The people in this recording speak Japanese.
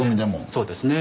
そうですね。